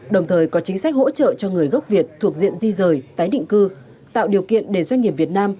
đồng thời có chính sách hỗ trợ cho người gốc việt thuộc diện di rời tái định cư tạo điều kiện để doanh nghiệp việt nam